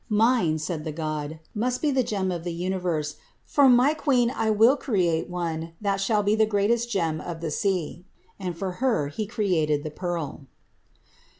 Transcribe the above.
"Mine," said the god, "must be the gem of the universe; for my queen I will create one that shall be the greatest gem of the sea," and for her he created the pearl.